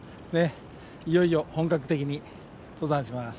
いよいよ本格的に登山します。